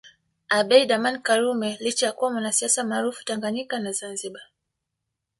Abeid Amani karume licha ya kuwa mwanasiasa maarufu Tanganyika na Zanzibar